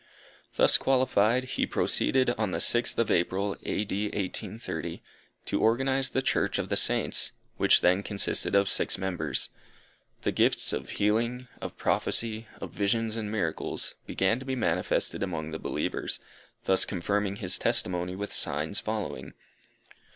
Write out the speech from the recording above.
Thus qualified, he proceeded, on the 6th of April, A.D. 1830, to organize the Church of the Saints, which then consisted of six members. The gifts of healing, of prophecy, of visions and miracles, began to be manifested among the believers, thus confirming his testimony with signs following.